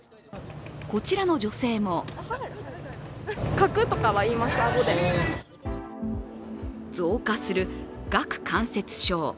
こちらの女性も増加する顎関節症。